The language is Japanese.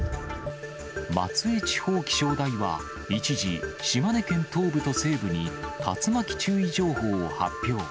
松江地方気象台は、一時、島根県東部と西部に竜巻注意情報を発表。